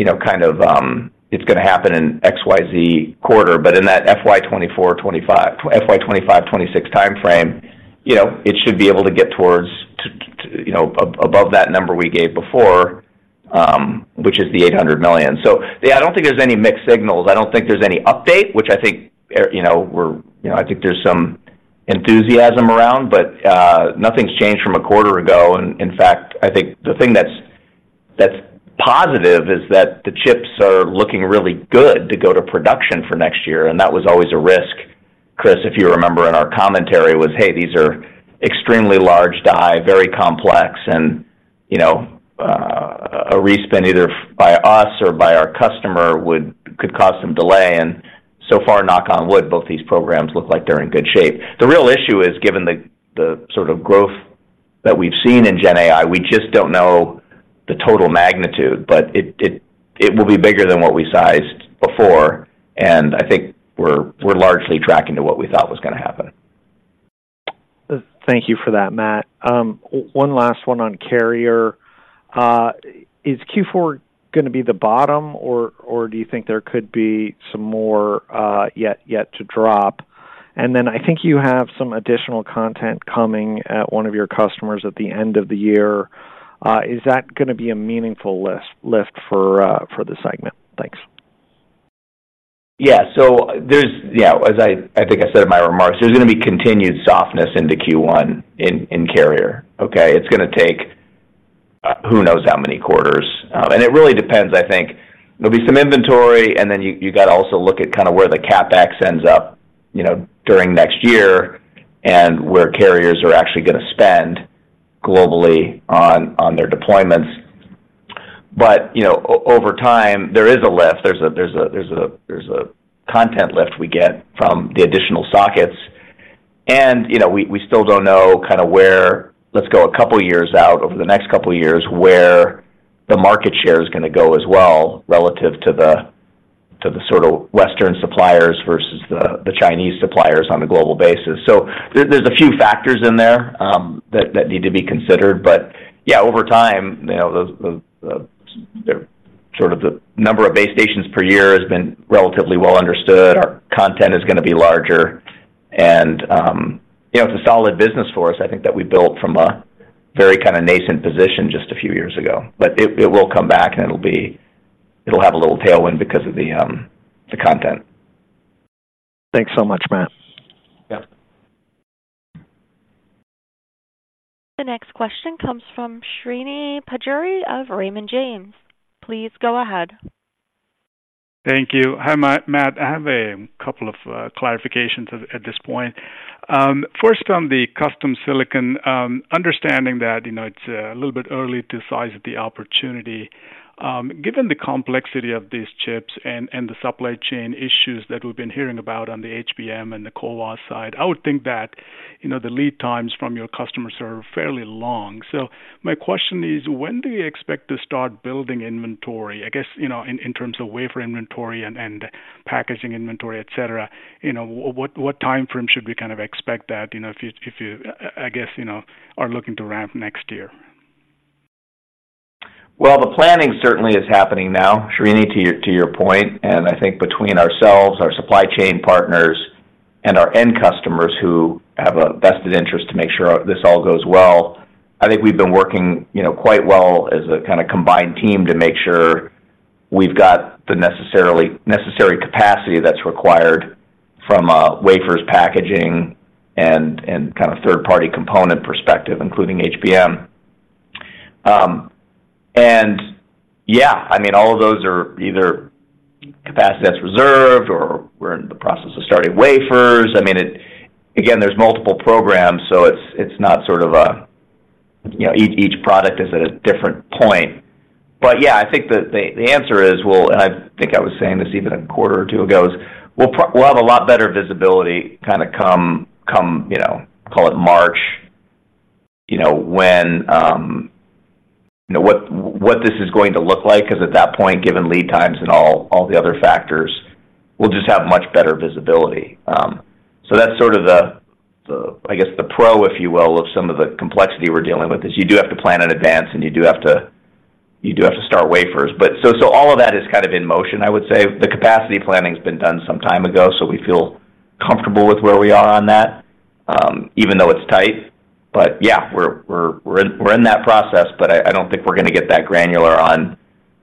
you know, kind of, it's gonna happen in XYZ quarter, but in that FY 2024, 2025—FY 2025, 2026 timeframe, you know, it should be able to get towards to, to, you know, above that number we gave before, which is the $800 million. So yeah, I don't think there's any mixed signals. I don't think there's any update, which I think, you know, we're— you know, I think there's some enthusiasm around, but, nothing's changed from a quarter ago. In fact, I think the thing that's, that's positive is that the chips are looking really good to go to production for next year, and that was always a risk. Chris, if you remember in our commentary, was, "Hey, these are extremely large die, very complex, and, you know, a re-spin, either by us or by our customer would—could cause some delay." And so far, knock on wood, both these programs look like they're in good shape. The real issue is, given the, the sort of growth that we've seen in GenAI, we just don't know the total magnitude, but it, it, it will be bigger than what we sized before, and I think we're, we're largely tracking to what we thought was gonna happen. Thank you for that, Matt. One last one on Carrier. Is Q4 gonna be the bottom, or do you think there could be some more yet to drop? And then I think you have some additional content coming at one of your customers at the end of the year. Is that gonna be a meaningful lift for the segment? Thanks. Yeah. So there's... Yeah, as I, I think I said in my remarks, there's gonna be continued softness into Q1 in, in Carrier, okay? It's gonna take, who knows how many quarters? And it really depends, I think. There'll be some inventory, and then you, you gotta also look at kind of where the CapEx ends up, you know, during next year and where carriers are actually gonna spend globally on, on their deployments. But, you know, over time, there is a lift. There's a, there's a, there's a, there's a content lift we get from the additional sockets. And, you know, we, we still don't know kind of where... Let's go a couple years out, over the next couple of years, where the market share is gonna go as well relative to the sort of Western suppliers versus the Chinese suppliers on a global basis. There's a few factors in there that need to be considered. But yeah, over time, you know, the sort of number of base stations per year has been relatively well understood. Our content is gonna be larger, and you know, it's a solid business for us. I think that we built from a very kind of nascent position just a few years ago. But it will come back, and it'll have a little tailwind because of the content. Thanks so much, Matt. Yep. The next question comes from Srini Pajjuri of Raymond James. Please go ahead. Thank you. Hi, Matt. I have a couple of clarifications at this point. First, on the custom silicon, understanding that, you know, it's a little bit early to size the opportunity. Given the complexity of these chips and the supply chain issues that we've been hearing about on the HBM and the CoWoS side, I would think that, you know, the lead times from your customers are fairly long. So my question is: When do you expect to start building inventory? I guess, you know, in terms of wafer inventory and packaging inventory, et cetera, you know, what timeframe should we kind of expect that, you know, if you are looking to ramp next year? Well, the planning certainly is happening now, Srini, to your point, and I think between ourselves, our supply chain partners, and our end customers who have a vested interest to make sure this all goes well, I think we've been working, you know, quite well as a kind of combined team to make sure we've got the necessary capacity that's required from wafers, packaging, and kind of third-party component perspective, including HBM. I mean, all of those are either capacity that's reserved or we're in the process of starting wafers. I mean, it, again, there's multiple programs, so it's not sort of a, you know, each product is at a different point. But yeah, I think the answer is, well, and I think I was saying this even a quarter or two ago, is we'll have a lot better visibility kinda come, you know, call it March, you know, when, you know, what this is going to look like, 'cause at that point, given lead times and all the other factors, we'll just have much better visibility. So that's sort of the, I guess, the pro, if you will, of some of the complexity we're dealing with, is you do have to plan in advance, and you do have to, you do have to start wafers. But so, so all of that is kind of in motion, I would say. The capacity planning's been done some time ago, so we feel comfortable with where we are on that, even though it's tight. But yeah, we're in that process, but I don't think we're gonna get that granular on,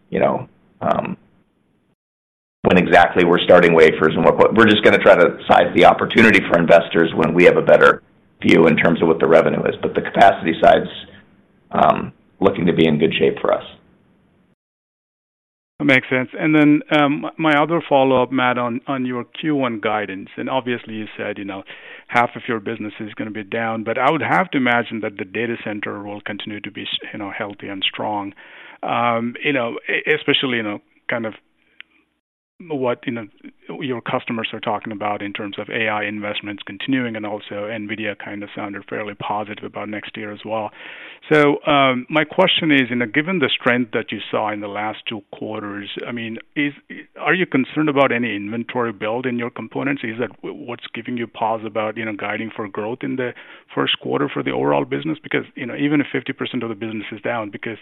you know, when exactly we're starting wafers and what... We're just gonna try to size the opportunity for investors when we have a better view in terms of what the revenue is. But the capacity side's looking to be in good shape for us. Makes sense. Then, my other follow-up, Matt, on your Q1 guidance, and obviously, you said, you know, half of your business is gonna be down, but I would have to imagine that the data center will continue to be, you know, healthy and strong. You know, especially, you know, kind of what, you know, your customers are talking about in terms of AI investments continuing, and also NVIDIA kind of sounded fairly positive about next year as well. My question is, you know, given the strength that you saw in the last two quarters, I mean, are you concerned about any inventory build in your components? Is that what's giving you pause about, you know, guiding for growth in the first quarter for the overall business? Because, you know, even if 50% of the business is down, because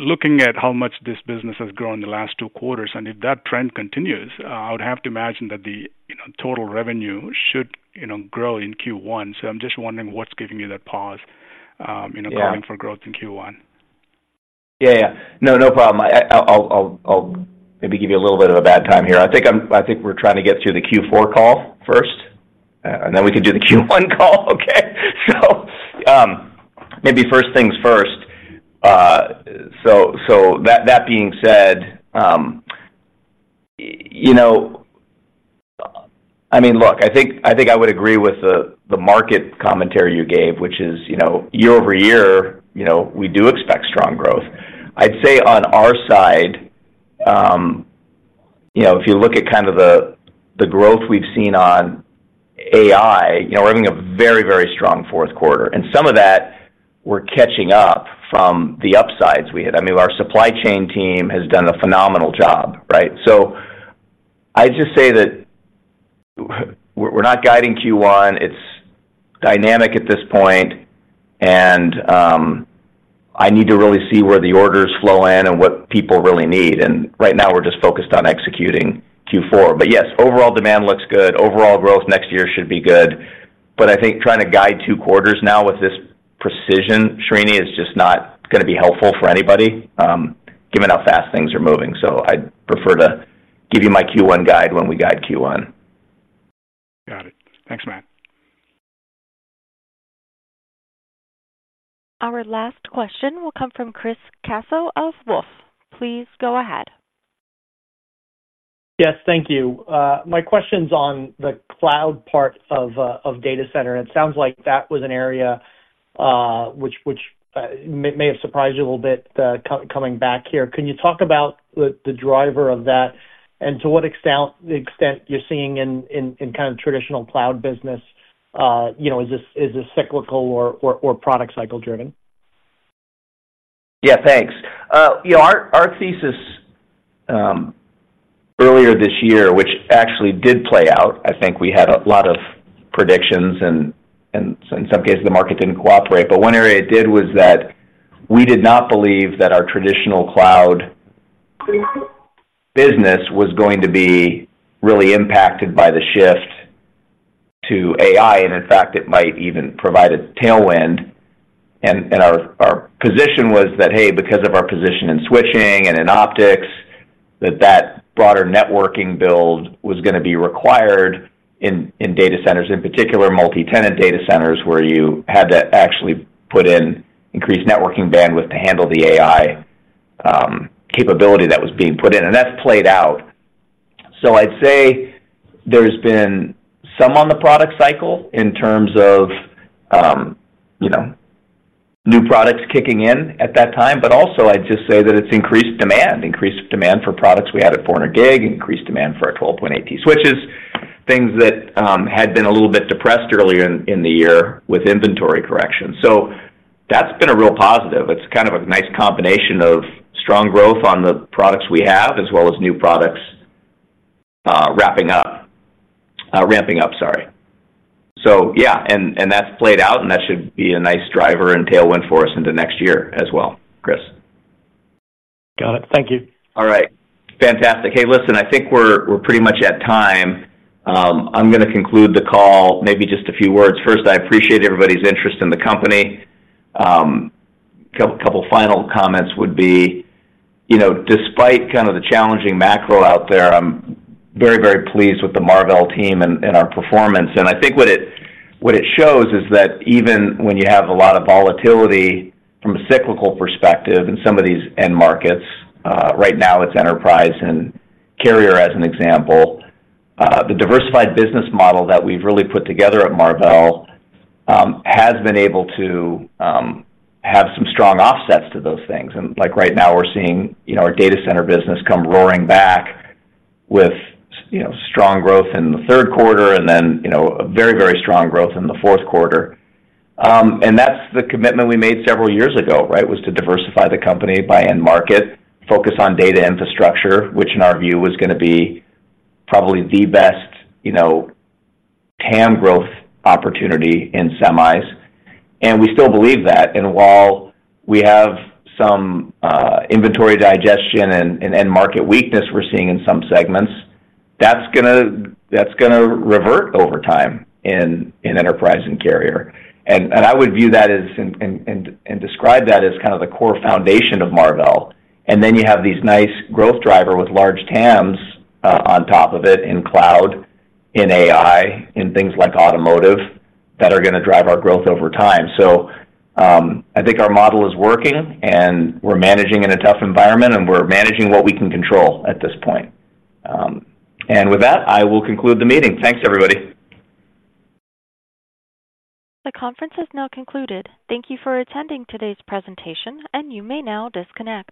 looking at how much this business has grown in the last two quarters, and if that trend continues, I would have to imagine that the, you know, total revenue should, you know, grow in Q1. So I'm just wondering what's giving you that pause, you know- Yeah. guiding for growth in Q1. Yeah, yeah. No problem. I'll maybe give you a little bit of a bad time here. I think we're trying to get through Q4 call first, and then we can do the Q1 call, okay? So, maybe first things first. So that being said, you know, I mean, look, I think I would agree with the market commentary you gave, which is, you know, year-over-year, you know, we do expect strong growth. I'd say on our side, you know, if you look at kind of the growth we've seen on AI, you know, we're having a very, very strong Q4, and some of that, we're catching up from the upsides we had. I mean, our supply chain team has done a phenomenal job, right? So I'd just say that we're not guiding Q1. It's dynamic at this point, and I need to really see where the orders flow in and what people really need. And right now, we're just focused on executing Q4. But yes, overall demand looks good. Overall growth next year should be good. But I think trying to guide two quarters now with this precision, Srini, is just not gonna be helpful for anybody, given how fast things are moving. So I'd prefer to give you my Q1 guide when we guide Q1. Got it. Thanks, Matt. Our last question will come from Chris Caso of Wolfe. Please go ahead. Yes, thank you. My question's on the cloud part of data center. It sounds like that was an area which may have surprised you a little bit coming back here. Can you talk about the driver of that, and to what extent you're seeing in kind of traditional cloud business? You know, is this cyclical or product cycle driven? Yeah, thanks. You know, our thesis earlier this year, which actually did play out. I think we had a lot of predictions, and in some cases, the market didn't cooperate. But one area it did was that we did not believe that our traditional cloud business was going to be really impacted by the shift to AI, and in fact, it might even provide a tailwind. Our position was that, hey, because of our position in switching and in optics, that broader networking build was gonna be required in data centers, in particular, multi-tenant data centers, where you had to actually put in increased networking bandwidth to handle the AI capability that was being put in, and that's played out. I'd say there's been some on the product cycle in terms of, you know, new products kicking in at that time, but also, I'd just say that it's increased demand. Increased demand for products we had at 400 gig, increased demand for our 12.8 switches, things that had been a little bit depressed earlier in the year with inventory corrections. That's been a real positive. It's kind of a nice combination of strong growth on the products we have, as well as new products wrapping up, ramping up, sorry. So yeah, and that's played out, and that should be a nice driver and tailwind for us into next year as well, Chris. Got it. Thank you. All right. Fantastic. Hey, listen, I think we're pretty much at time. I'm gonna conclude the call. Maybe just a few words. First, I appreciate everybody's interest in the company. Couple final comments would be, you know, despite kind of the challenging macro out there, I'm very, very pleased with the Marvell team and our performance. And I think what it shows is that even when you have a lot of volatility from a cyclical perspective in some of these end markets, right now it's enterprise and carrier, as an example, the diversified business model that we've really put together at Marvell has been able to have some strong offsets to those things. And like right now, we're seeing, you know, our data center business come roaring back with, you know, strong growth in Q3 and then, you know, a very, very strong growth in Q4. And that's the commitment we made several years ago, right? Was to diversify the company by end market, focus on data infrastructure, which in our view, was gonna be probably the best, you know, TAM growth opportunity in semis, and we still believe that. And while we have some inventory digestion and end market weakness we're seeing in some segments, that's gonna, that's gonna revert over time in enterprise and carrier. And I would view that as and describe that as kind of the core foundation of Marvell. Then you have these nice growth driver with large TAMs, on top of it, in cloud, in AI, in things like automotive, that are gonna drive our growth over time. I think our model is working, and we're managing in a tough environment, and we're managing what we can control at this point. And with that, I will conclude the meeting. Thanks, everybody. The conference has now concluded. Thank you for attending today's presentation, and you may now disconnect.